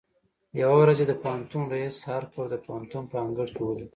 يوه ورځ يې د پوهنتون رئيس هارپر د پوهنتون په انګړ کې وليد.